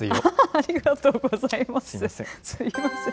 ありがとうございます。